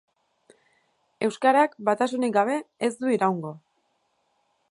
Euskarak batasunik gabe ez du iraungo.